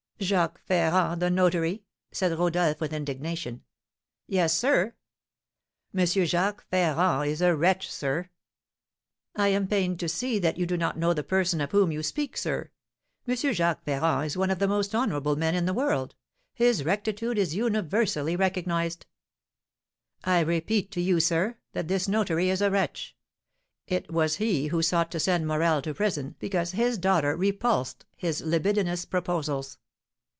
"Jacques Ferrand, the notary?" said Rodolph, with indignation. "Yes, sir " "M. Jacques Ferrand is a wretch, sir!" "I am pained to see that you do not know the person of whom you speak, sir. M. Jacques Ferrand is one of the most honourable men in the world; his rectitude is universally recognised." "I repeat to you, sir, that this notary is a wretch. It was he who sought to send Morel to prison because his daughter repulsed his libidinous proposals.